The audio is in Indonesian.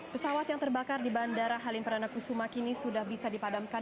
pesawat yang terbakar di bandara halim perdana kusuma kini sudah bisa dipadamkan